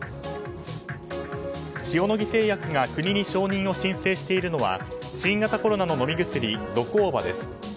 塩野義製薬が国に承認を申請しているのは新型コロナの飲み薬ゾコーバです。